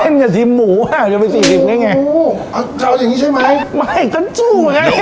เล่นกับทีมหมูอ่ะจะเป็นสี่สิบนี่ไงอ๋อจะเอาอย่างงี้ใช่ไหมไม่ก็จู่ไง